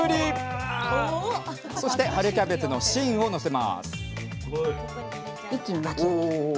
そして春キャベツの芯をのせます